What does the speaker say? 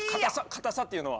硬さっていうのは？